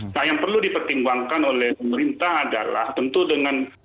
nah yang perlu dipertimbangkan oleh pemerintah adalah tentu dengan